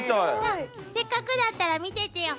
せっかくだったら見てってよ。